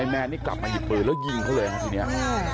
แม่นี่กลับมาหยิบเปลือแล้วยิงเขาเลยอ่ะทีเนี้ย